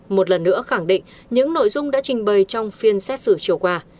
một lần nữa khẳng định những nội dung đã trình bày trong phiên xét xử chiều qua